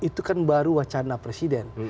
itu kan baru wacana presiden